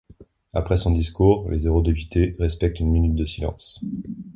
Après son discours, les eurodéputés respectent une minute de silence.